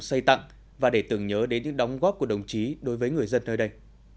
xây tặng và để tưởng nhớ đến những đóng góp của đồng chí đối với người dân nơi đây